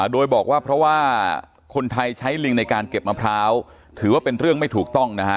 โดยบอกว่าเพราะว่าคนไทยใช้ลิงในการเก็บมะพร้าวถือว่าเป็นเรื่องไม่ถูกต้องนะฮะ